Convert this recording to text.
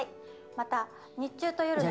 また日中と夜の。